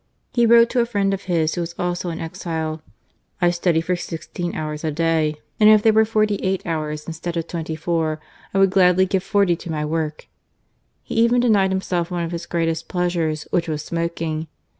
He wrote to a friend of his, who was also an exile :" I study for sixteen hours a day, and if there were forty eight hours instead of twenty four, PARIS. 55 I would gladly give forty to my work." He even denied himself one of his greatest pleasures, which was smoking.